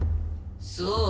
そう。